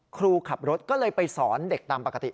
ครูขับรถก็เลยไปสอนเด็กตามปกติ